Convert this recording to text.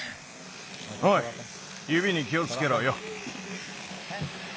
おいゆびに気をつけろよ。